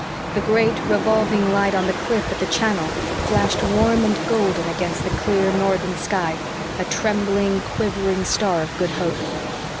The great revolving light on the cliff at the channel flashed warm and golden against the clear northern sky, a trembling, quivering star of good hope.